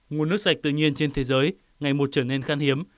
nguồn nước sạch tự nhiên trên thế giới ngày một trở nên khan hiếm